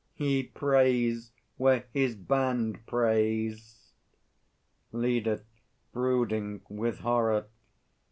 He preys where his band preys. LEADER (brooding, with horror).